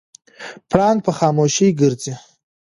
پړانګ په خاموشۍ ګرځي.